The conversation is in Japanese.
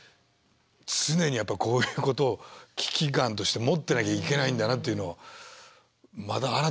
常にやっぱこういうことを危機感として持ってなきゃいけないんだなというのをまた改めて思いましたね。